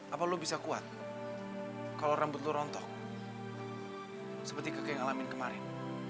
apa lo bisa kuat kalo rambut lo rontok seperti gek ke yang ngalamin kemarin